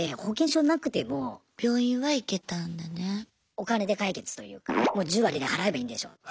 お金で解決というかもう１０割で払えばいいんでしょって。